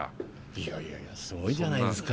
いやいやいやすごいじゃないですか